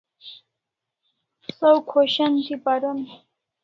Saw khoshan thi paron